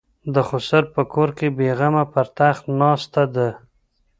د خسر په کور بېغمه پر تخت ناسته ده.